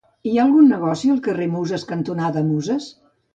Hi ha algun negoci al carrer Muses cantonada Muses?